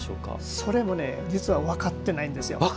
それも、実は分かってないんですよ。